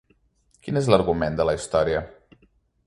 Quin és l’argument de la història?